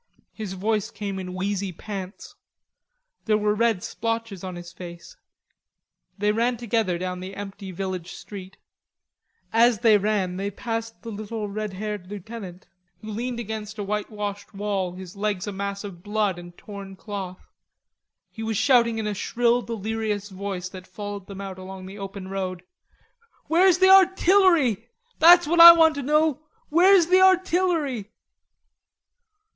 His voice came in wheezy pants. There were red splotches on his face. They ran together down the empty village street. As they ran they passed the little red haired lieutenant, who leaned against a whitewashed wall, his legs a mass of blood and torn cloth. He was shouting in a shrill delirious voice that followed them out along the open road. "Where's the artillery? That's what I want to know; where's the artillery?"